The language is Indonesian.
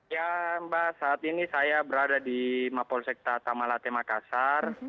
ya mbak saat ini saya berada di maposek tata malate makassar